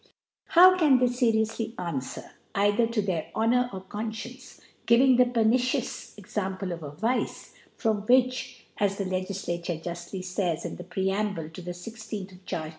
How can they fcf bully An fwer cither to their Honour br Confcience giving the pernicious Example ' of a Vice, from which, as the Legiflature juftl'y fays in the Preamble to the i6th of Charges II.